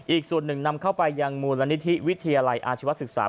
อีกส่วนหนึ่งนำเข้าไปยังมูลนิธิวิทยาลัยอาชีวศึกษา